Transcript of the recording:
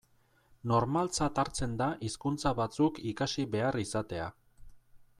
Normaltzat hartzen da hizkuntza batzuk ikasi behar izatea.